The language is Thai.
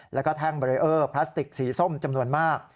แล้วก็แท่งเบรีเออร์พลาสติกสีส้มจำนวนมาก